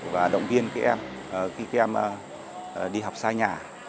và động viên các em khi các em đi học xa nhà